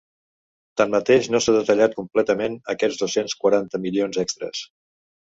Tanmateix, no s’han detallat completament aquests dos-cents quaranta milions extres.